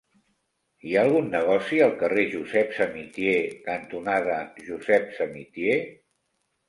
Hi ha algun negoci al carrer Josep Samitier cantonada Josep Samitier?